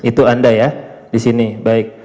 itu anda ya disini baik